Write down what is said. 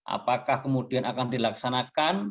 apakah kemudian akan dilaksanakan